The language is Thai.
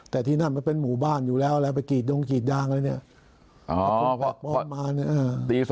แต่ที่นั่นมันเป็นหมู่บ้านอยู่แล้วแล้วไปกรีดยงกีดยางอะไรเนี่ย